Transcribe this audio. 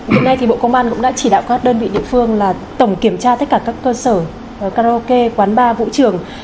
hiện nay thì bộ công an cũng đã chỉ đạo các đơn vị địa phương là tổng kiểm tra tất cả các cơ sở karaoke quán bar vũ trường